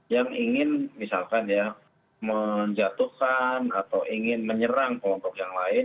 yang ingin misalkan ya menjatuhkan atau ingin menyerang kelompok yang lain